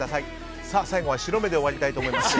最後は白目で終わりたいと思います。